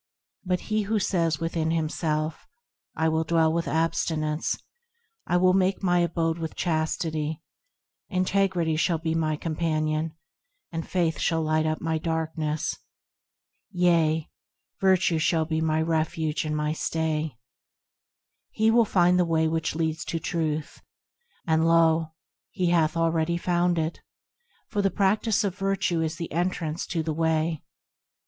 But he who says within himself,– " I will dwell with Abstinence, I will make my abode with Chastity, Integrity shall be my companion, And faith shall light up my darkness, Yea, Virtue shall be my refuge and my stay," He will find the Way which leads to Truth, Lo! he hath already found it, For the practice of virtue is the entrance to the Way.